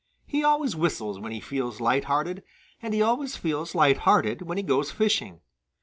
He always whistles when he feels light hearted, and he always feels light hearted when he goes fishing.